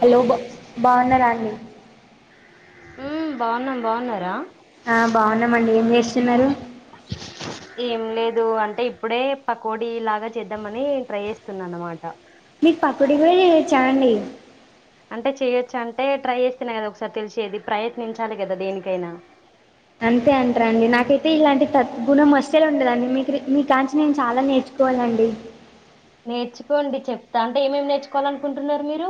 Hello బ బాఉన్నారాండి మ్ బాఉన్నం బాఉన్నరా ఆ బాఉన్నమండి ఏం చేస్తున్నారు దు అంటే ఇప్పుడే పకోడి లాగా చేద్దామని ట్రై చేస్తున్న అనమాట మిక్ పకోడి గుడా చేయెచ్చాండి అంటే చేయొచ్చు అంటే ట్రై చేస్తేనె కదా ఒకసారి తెలిసేది ప్రయత్నించాలి కద దేనికైనా అంతే అంట్రాండి నాకైతే ఇలాంటి సద్గుణం అస్సల్ ఉండదండి మీకు మీ కాంచి నేను చాలా నేర్చు కోవాలండి నేర్చుకోండి చెప్తా అంటే ఏమేమి నేర్చుకోవా లనుకుంటున్నరు మీరు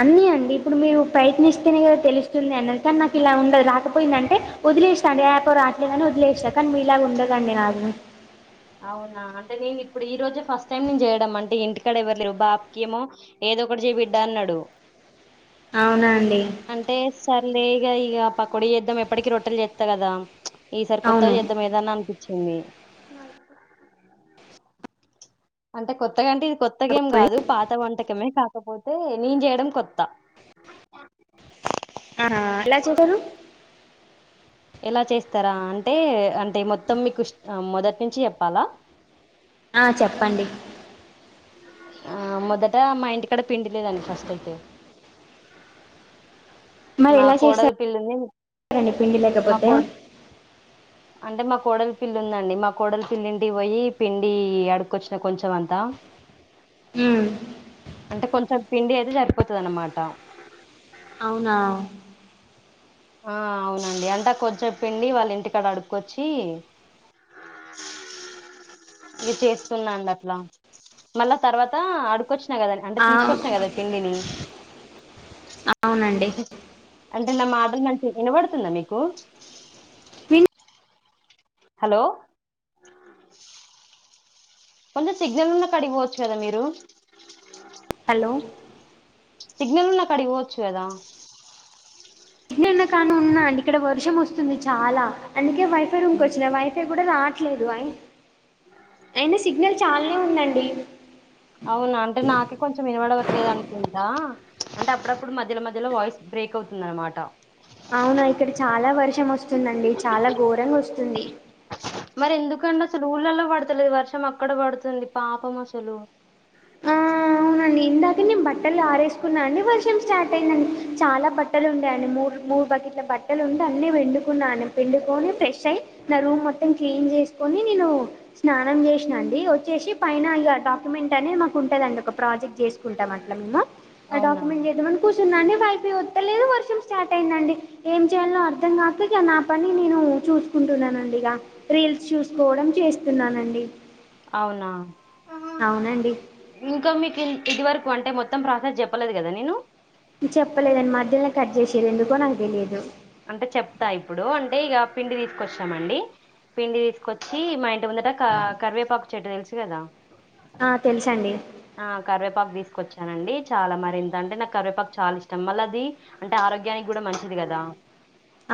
అన్నీ అండి ఇప్పుడు మీరు ప్రయత్నిస్తేనే కదా తెలుస్తుంది అన్న కానీ నాకు ఇలా ఉండదు రాకపోయిందంటే ఒదిలేస్తాండి యాపో రాట్లే అని ఒదిలేస్తాను కానీ మీ ఇలాగ ఉండదండి నాకు అవునా అంటే నేను ఇప్పుడు ఈ రోజే ఫస్ట్ టైం నేను చేయడం అంటే ఇంటికాడ ఎవరు లేరు బాపుకేమో ఏద ఒకటి చెయి బిడ్డా అన్నడు అవునా అండి అంటే సర్లే ఇ ఇక ప కొడి చేద్దం ఎప్పటికి రొట్టెలు చేస్తా కదా ఈసారి కొత్త అవును చేద్ద్దం ఏదన్నా అనిపించింది అ అంటే కొత్తగా అంటే ఇది కొత్తగా ఏం కాదు పాత వంటకమే కాకపోతే తే నేను చేయడం కొత్త ఆ ఎలా చేసాను ఎలా చేస్తారా అంటే అంటే మొత్తం మీకు మొదటి నుంచి చెప్పాలా ఆ చెప్పండి ఆ మొదట మా ఇంటి కడ పిండి లేదండి ఫస్ట్ అయితే మరి మా ఎలా కోడలి చేస్తారండి పిల్లుని పిండి మా లేకపోతే కోడ్ అంటే మా కోడల్ పిల్లు ఉందండి మా కోడలి పిల్లింటి పోయి పిండి అడుకొచ్చిన కొంచెం అంతా ఉమ్ అంటే కొంచెం పిండి అయితే సరిపోతాది అన్నమాట అవునా ఆ అవునండి అంటా కొంచం పిండి వాళ్ళ ఇంటికాడ అడుక్కొచ్చి అ ఇది చేస్తున్నాండి అట్లా మళ్ళా తర్వాత అడుకొచ్చి కొచ్చిన అంటే ఆ తీసుకొచ్చిన కదా పిండిని అవునండి అంటే నా మాటలు నాకి వినబడుతుందా మీకు విన్ హలో కొంచం సిగ్నల్ ఉన్నా కాటికి పోవచ్చు కదా మీరు హలో సిగ్నల్ ఉన్న కడికి పోచ్చు కదా నిన్న కాన ఉన్నా అండి ఇక్కడ వర్షం వస్తుంది చాలా అంటే అందుక్ కే వైఫై రూమ్ వచ్చిన వైఫై కూడా రావట్లేదు అయి అయిన సిగ్నల్ చాలా ఉందండి అవునా అంటే నాకే కొంచెం వినబడవట్లేదు అనుకుంటా అంటే అప్పుడప్పుడు మధ్యలో మధ్యలో వాయిస్ బ్రేక్ అవుతుందనమాట అవునా ఇక్కడ చాలా వర్షం వస్తుందండి చాలా ఘోరంగా వస్తుంది మరి ఎందుకండి అసలు ఊళ్ళల్లో పడుతలేదు వర్షం అక్కడ పడుతుంది పాపం అసలు హా హా ఇందాక నేను బట్టలు ఆరేసుకున్నా అండి వర్షం స్టార్ట్ అయిందండి చాలా బట్టలు ఉండేయండి ము ము మూడు బకెట్ల బట్టలు ఉండా అనీ అని పిండుకున్నాను పిండుకొని ఫ్రెష్ అయి నా రూమ్ మొత్తం క్లీన్ చేసి కోని నేను స్నానం చేసిన అండి వచ్చేసి పైన ఇగా డాక్యుమెంట్ అనే మాకు ఉంటదండి ఒక ప్రాజెక్ట్ చేసుకుంటాం అట్లా మేము ఆ అవునా డాక్యుమెంట్ చేద్దామను కుస్ కూర్చున్నాండి వైఫ్ వత్తలేదు వర్షం స్టార్ట్ అయిందండి ఏం చేయాలో అర్థం కాక ఇట్ల నా పని నేను చూసుకుంటున్నానండి ఇగా రీల్స్ చూసుకోవడం చేస్తున్నానండి అవునా అవునండి ఇంకా మీకు ఇది వరకు అంటే మొత్తం ప్రాసెస్ చెప్పలేదు కదా నిను చెప్పలేదని మధ్యనే కట్ చేసిండ్రు ఎందుకో నాకు తెలియదు అంటే చెప్తా ఇప్పుడు అంటే ఇగా పిండి తీసుకొచ్చినామండి పిండి తీసుకొచ్చి మా ఇంటి ముందట కా కరివేపాకు చెట్టు తెలుసు కదా ఆ తెలుసండి ఆ కరివేపాకు తీసుకొచ్చానండి చాలా మరింతంటే నాక్ కరివేపాకు చాలా ఇష్టం మళ్ళ అది అంటే ఆరోగ్యన్ నికి కూడా మంచిది కదా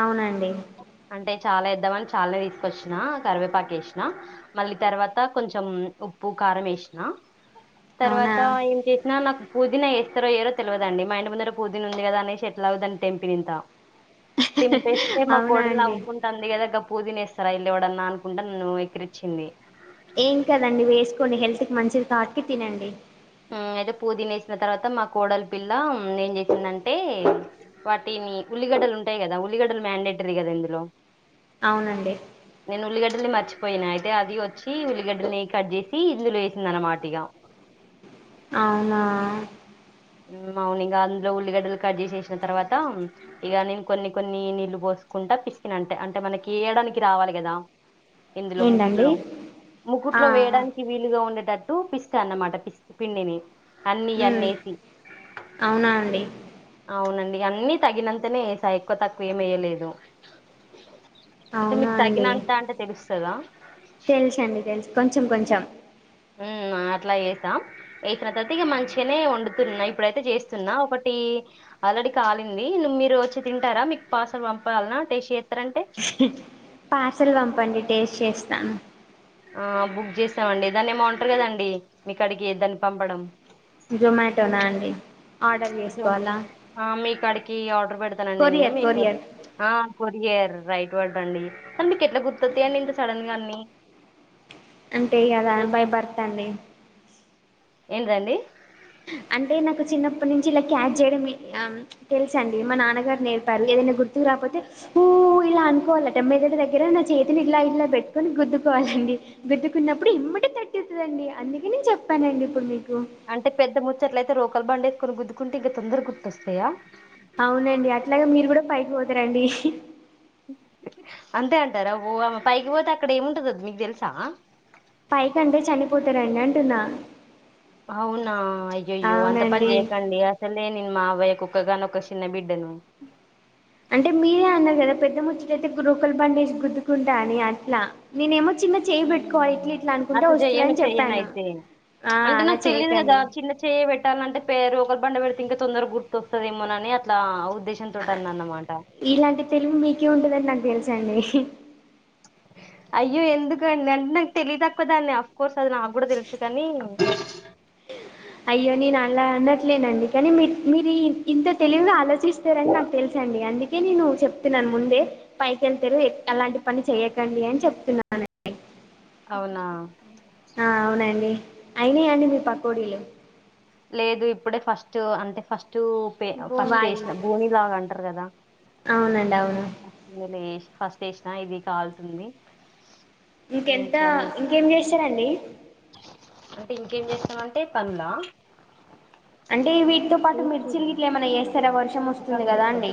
అవునండి అంటే చాలా ఎద్దామని చాలనే తీసుకొచ్చిన కరివేపాకేసిన మళ్ళీ తర్వాత కొంచెం ఉప్పు కా కారం ఎసిన అవునా తర్వాత ఏం చేసినా నాక్ పుదీనా ఏస్తారో ఏయ్యరో తెల్వదండి మా ఇంటి ముందర పుదీనా ఉంది కదా అనేసి ఎట్లాగో దాన్ని తెంపినింత తెంపేస్తే మా అవునా కోడలు అండి నవ్వుకుంటంది కదా గప్ పుదీనా ఏస్తారా ఇళ్ల ఎవడన్నా అనుకుంట నన్ను ఎక్కిరిచ్చింది ఏం కదండి వేసుకోండి హెల్త్ కి మంచిది కాబట్టి తినండి హు అయితే పుదీనా వేసిన మా తర్వాత మా కోడల పిల్ల ఏం చేసిందంటే వాటిని ఉల్లిగడ్డలు ఉంటాయి కదా ఉల్లిగడ్డలు మాండేటరీ కదా ఇందులో అవునండి ల్లి మర్చిపోయినా అయితే అది వచ్చి ఉల్లిగడ్డని కట్ చేసి ఇందులో వేసిందన్నమాట ఇగా అవునా మ్ అవును ఇంగ అందులో ఉల్లిగడ్డలు కట్ చేసేసిన తర్వాత ఇగ నేను కొన్ని కొన్ని నీళ్లు పోస్ కుంటా పిసికిన అంటే అంటే మనకి ఎయ్యడానికి రావాలి కదా ఇందులో ఏంటండి ముక్కుట్లో ఆ ముక్కుట్లో వేయడానికి వీలుగా ఉండేటట్ టు పిసికా అన్నమాట పిస్ పిండిని అన్ని మ్మ్ ఈయన్నిఎసి అవునా అండి అవునం డి అన్నీ తగినంతనే ఏసా ఎక్కువ తక్కువ ఏమీ ఎయ్యలేదు అంటే అవునా మీక్ అండి తగినంత అంటే తెలుస్తదా తెలుసండి తెలుసు కొంచెం కొంచెం మ్ మా అట్లా ఏస ఎసిన తరువాత ఇగా మంచిగానే వండుతున్నా ఇప్పుడైతే చేస్తున్నా ఒకటి ఆ ఆల్రెడీ కాలింది నువ్ మీరు వచ్చి తింటారా మీకు పార్సల్ పంపాలన్నా టేస్ట్ చే పార్సల్ పంపండి టేస్ట్ చేస్తాము ఆ బుక్ చేస్తామండి దాన్ని ఏమో ఉంటారు కదండి మీకడికి దాన్ని పంపడం జొమాటోనా అండి ఆర్డర్ చేసుకోవాలా ఈ ఆర్డర్ పెడుతానండి నేను కొరియర్ మీకు కొరియర్ ఆ కొరియర్ రైట్ పెట్టండి అసల్ మీకు ఎట్లా గుర్తొత్తాయండి ఇంత సడన్ గా అన్ని అంటే కదా బై బర్త్ అండి ఏంటిదండీ అంటే నాకు చిన్నప్పటి నుంచి ఇలా క్యాచ్ చేయడ మే తెలుసు అండి మా నాన్నగారు నేర్పారు ఏదైనా గుర్తు రా రాపోతే ఊ ఇలా అనుకోవాలట మెదడు దగ్గర నా చేతులు ఇట్లా ఇలా పెట్టుకోని గుద్దుకోవాలండి గుద్దుకున్నప్పుడు ఎమ్మటే తట్టుతదండి అందుకే నేను చెప్పానండి ఇప్పుడు మీక్ అంటే పెద్ద ముచ్చట్లయితే రోకల్ బండే ఎస్కోని గుద్దుకుంటే ఇంకా తొందరగా గుర్తొస్తాయా అవునండి అట్లాగే మీరు కూడా పైకి పోతారండి అంతే అంటారా ఓ అవ్వ పైకి పోతే అక్కడ ఏముంటందో మీకు తెలుసా పైకంటే చనిపోతారండి అంటున్న అవునా అయ్యయ్యో అంత పని చేయకండి అసలే నేను మా అవ్వయ్యకు ఒక్కగానొక్క చిన్నబిడ్డను అంటే మీరే అన్నారు కదా పెద్ద ముచ్చట అయితే గ్ రోకల్ బండేస్ గుద్దుకుంటా అని అట్లా నేనేమో చిన్న చేయి పెెట్టుకోవాలి ఉమ్, ఇట్లా ఇట్లా అనుకుంటే అట్లా చెయ్యను వస్తుందని చెయ్యను చెప్పాను అయితే ఆ అంటే అలా నాకు తెలిదు కదా చేయకండి చిన్న చెయ్యే పెట్టాలంటే పే రోకల్ బండ పెడితే ఇంకా తొందర గుర్ ొస్తదేమోనని అట్లా ఉద్ అ ఇలాంటి తెలివి మీకే ఉంటదని నాకు తెలుసండి అయ్యో ఎందుకండి అంటే నాకు తెలివితక్కువదాన్నే అఫ్కోర్స్ అది నాకు కూడా తెలుసు కాని [unintelligible] అయ్యో నేను అలా అన్నట్లేనండి కానీ మీర్ మీరీ ఇంత తెలివిగా ఆలోచ్ స్తరని నాకు తెలుసండి అందుక్ యితే నేను చెప్తున్నాను ముందే, పైకెళ్తేరు అలాంటి పని చెయకండి అని చెప్తున్నాను. అవునా ఆ అవునండి అయిన అండి మీ పకోడీలు లేదు ఇప్పుడే ఫస్ట్ అంటే ఫస్టు పె ఆ ఫస్ట్ వాయి చేసినం బోని లాగా అంటరు కదా అవునండి అవును నేను ఏ ఫస్ట్ ఏసినా ఇది కాల్తుంది ఇంకెంత ఇంకేం చేస్తారండి? అంటే ఇంకేం చేస్తామంటే పనులా? అంటే వీటితో పాటు టేస్ట్ చూడు మిర్చిలు గిట్ల ఏమన్న ఉప్పు చేస్తరా వర్షం వస్తుంది కదా అండి.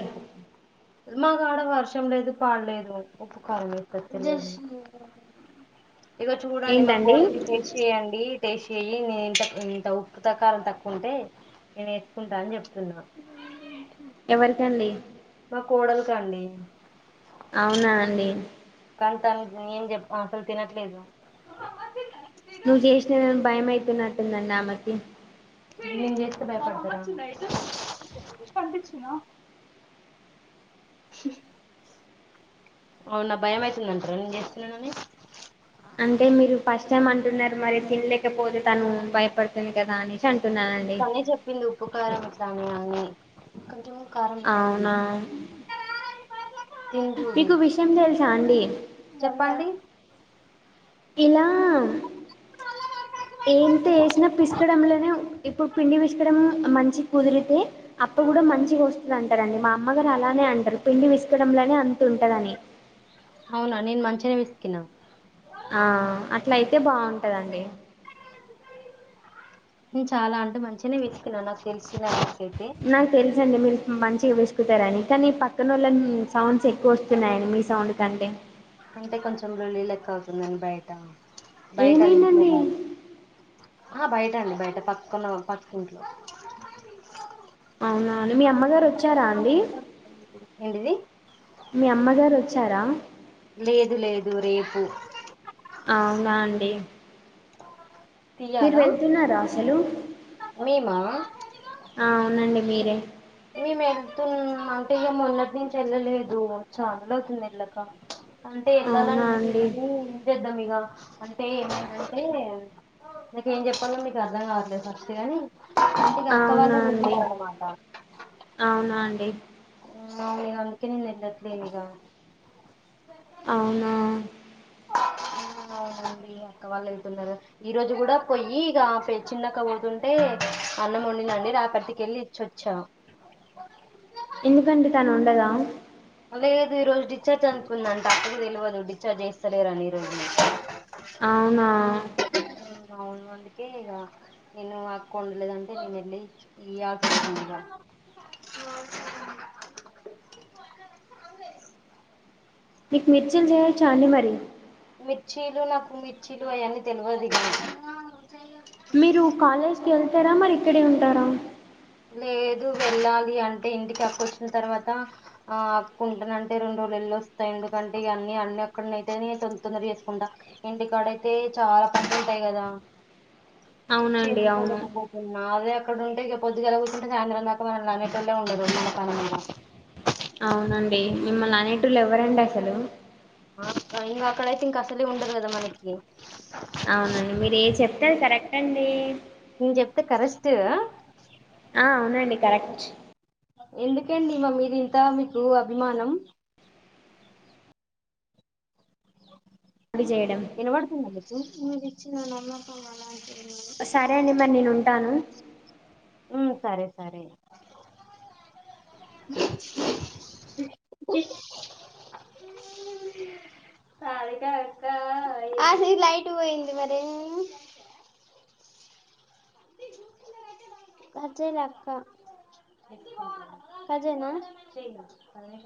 మ మా కాడ వర్షము లేదు పాడు లేదు, ఉప్పు కారం ఏర్పడతలేదు. ఇగో చూడండి మా ఏంటండి కోడల్ని టెస్ట్ చేయండి టేస్ట్ చెయ్యీ నేను నేనింత ఇంత ఉప్పు త కారం తక్కువంటే నేను ఏసుకుంటా అని చెప్తున్నా ఉ ఎవరికండి? మా కోడలు కండి అవునా అండి అంతం నేనేం చెప్ప అసలు తినట్లేదు నువ్వు చేసిన గని భయమైతున్నటుందండి ఆమకి నేను చేస్తే భయపడతదా స అవునా భయం అయితుందంటర నేను చేస్తున్నా అని. అంటే మీరు ఫస్ట్ టైమ్ అంటున్నారు మరి తినలేకపోతే తను భయపడుతుంది కదా అని ఇట్లనే చెప్పింది ఉప్పు కారం ఇట్లనే అన్ని కొంచం కారం తినే అవునా మీకు విషయం తెలుసా అండి? చెప్పండి ఇలా [unintelligible] ఏంతేసిన పిసుకడంలోనే ఉం ఇప్పుడు పిండి పిసకడం మంచి కుదిరితే అప్పు కుడ మంచిగ వస్తదంటరండి మా అమ్మగారు అలానే అంటరు పిండి పిసకడంలోనే అంత ఉంటదని అవునా నేను మంచిగనే పిసికినా ఆ అట్ల అయితే బావుంటదండి నేను చాలా అంటే మంచిగనే పితికిిన నాకు తెలిసన నాకు తెలుసండి మీ మంచిగ పిసుకుతరని కానీ పక్కనోళ్ళని సౌండ్స్ ఎక్కువ వస్తున్నాయండి మీ సౌండ్ కంటే అంటే కొంచెం లొల్లి లెక్క అవుతుందండి బయట ఏమైందండి అహ బయట అండి, బయట పక్కన పక్కకింట్లో అవున అండి మీ అమ్మగారు వచ్చారా అండి? ఏంటిది మీ అమ్మగారు వచ్ చార లేదు లేదు రేపు అవునా అండి మీరు తీయాలా వెళ్తున్నారా అసలు? మేమా ఆ అవునండి మీరే మెమ్ అంటే ఇగ మొన్నటి నుంచి వెళ్ళలేదు చాల రోజులు అవుతుంది ఎల్లక అంటే అవునా వెళ్ళాలనీ వుంది అండి కాని ఏం చేద్దాం ఇగ అంటే ఏమైందంటే నాకు ఏం చెప్పలో మీకు అర్ధం కావట్లేదు ఫస్ట్ గాని అంటే ఇగ అక్క అవునా వాళ్ళే అండి పోతున్నరన మాట అవునా అండి ఆ ఇగ అందుకే నేను ఎల్లట్లేదు ఇగ అవునా అవునండి పక్క వాళ్ళు వెళ్తున్నారు ఈ రోజు కూడా పోయి ఇగ చిన్న అక్క పోతుంటే అన్నమొండి రాపర్తి కి వెళ్ళి ఇచ్చ వచ్చ ఎందుకండి తను వండదా అదే గద ఈ రోజు డిశ్చార్జ్ అనుకుందంట అక్క కు తెలివదు డిశ్చార్జ్ చేస్త లేరని ఈ రోజు అవునా ఉమ్, అవును అందుకే ఇగ నేను అక్క వండలేదంటే నేను వెళ్ళి ఇ మీకు మిర్చీలు చేయొచా అండి మరి మిర్చీలు నాకు మిర్చీలు అయన్నీ తెలివదు ఇ గా మీరు కాలేజ్కి వెళ్తరా మరి ఇక్కడే ఉంటారా లేదు వెళ్ళాలి అంటే ఇంటికి అక్క వచ్చిన తర్వాత ఆ అక్క ఉంటనంటే రెండు వెళ్లి వస్తా ఎందుకంటే ఇగ అన్నీ అన్నిక్కడితేనే తొందర చేసుకుంటా ఇంటికాడయితే చాలా అన్నింటయి కదా అవునండి అవును చేసుకోలేకపోతున్నా అదే అక్కడ ఉంటే పొద్దు గాల కుసుంటే సాయంత్రం దాకా మనల్ని అనే టోల్లు ఉండరు అవునండి మిమ్మల్ని అనేటోళ్ళు ఎవ్వరండి అసలు ఇంగ అక్కడైతే ఇంకా అసలే ఉండదు కదా మనకి అవునండి మీరు ఏ చెప్తే అది కరెక్ట్ అండి నేను చెప్తే కరెస్ట్ కధ ఆ అవునండి కరెక్ట్ ఎందుకండి మా మీద ఇంత మీకు అభిమానం చేయడం వినబడుతుంద మీకు మీరు ఇచ్చిన నమ్మకం అలాంటిది సరే అండి మరి నేను ఉంటాను ఉం సరే సరే లైట్ పోయింది మరి ఏమ్ చేయను కట్ జేయల అక్క కజేనా